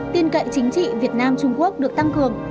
tin cậy chính trị việt nam trung quốc được tăng cường